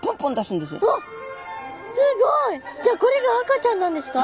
すごい！じゃあこれが赤ちゃんなんですか？